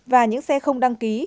và những xe không đăng ký